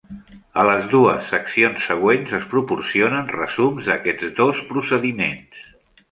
A les dues seccions següents es proporcionen resums d'aquests dos procediments.